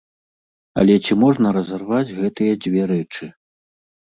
Але ці можна разарваць гэтыя дзве рэчы?